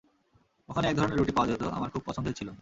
ওখানে এক ধরণের রুটি পাওয়া যেত, আমার খুব পছন্দের ছিল।